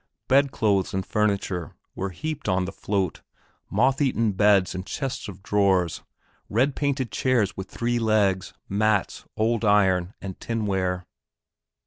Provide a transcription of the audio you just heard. Bed clothes and furniture were heaped on the float, moth eaten beds and chests of drawers, red painted chairs with three legs, mats, old iron, and tin ware.